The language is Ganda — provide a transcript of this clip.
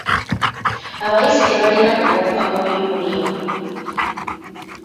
Abayizi tebalina kukoppa mu bibuuzo.